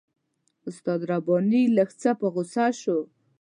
استاد رباني لږ څه په غوسه شو.